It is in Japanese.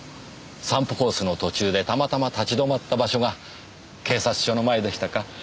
散歩コースの途中でたまたま立ち止まった場所が警察署の前でしたか？